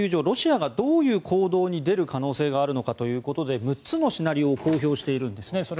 ロシアがどういう行動に出る可能性があるのかということで６つのシナリオを公表しているんですね。